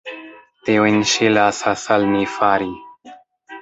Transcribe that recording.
Tiujn ŝi lasas al ni fari.